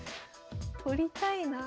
取りたいな。